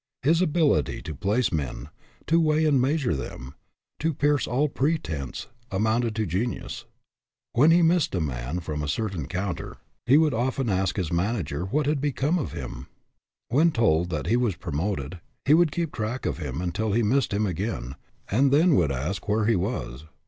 His ability to place men, to weigh and measure them, to pierce all pretense, amounted to genius. When he missed a man from a certain counter, he would SIZING UP PEOPLE 191 often ask his manager what had become of him. When told that he was promoted, he would keep track of him until he missed him again, and then would ask where he was.